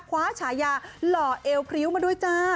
ฉายาหล่อเอวพริ้วมาด้วยจ้า